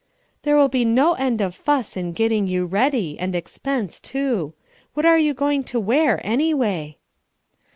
"There will be no end of fuss in getting you ready, and expense too. What are you going to wear, anyway?"